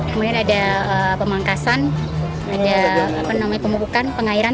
kemudian ada pemangkasan ada pemupukan pengairan